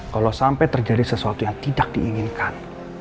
kalau sampai terjadi sesuatu yang tidak diinginkan